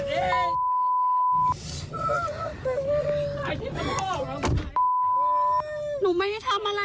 พี่ไทยแก่งจริงต่อไปล่ะค่ะ